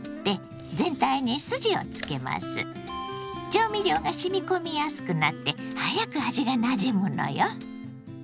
調味料がしみ込みやすくなって早く味がなじむのよ。